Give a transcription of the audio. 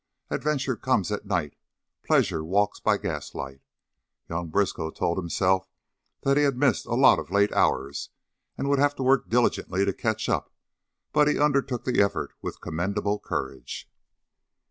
Adventure comes at night; pleasure walks by gaslight. Young Briskow told himself that he had missed a lot of late hours and would have to work diligently to catch up, but he undertook the effort with commendable courage.